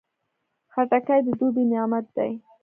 خټکی د دوبی نعمت دی.